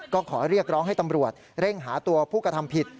ก็ขอเรียกร้องให้ตำรวจเร่งหาตัวผู้กระทำผิด